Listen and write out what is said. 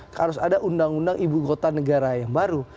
harus ada undang undang ibu kota negara yang baru